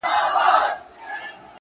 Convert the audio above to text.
زه يې د ميني په چل څنگه پوه كړم-